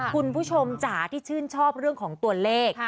คุณผู้ชมจ๋าที่ชื่นชอบเรื่องของตัวเลข